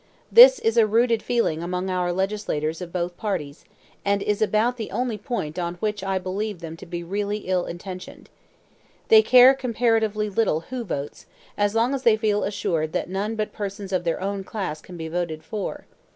This is a rooted feeling among our legislators of both political parties, and is about the only point on which I believe them to be really ill intentioned. They care comparatively little who votes, so long as they feel assured that none but persons of their own class can be voted for.